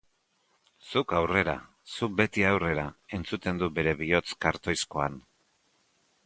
Zuk aurrera, zuk beti aurrera, entzuten du bere bihotz kartoizkoan.